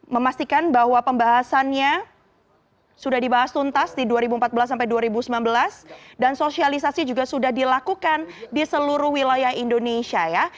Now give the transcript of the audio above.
memastikan bahwa pembahasannya sudah dibahas tuntas di dua ribu empat belas sampai dua ribu sembilan belas dan sosialisasi juga sudah dilakukan di seluruh wilayah indonesia ya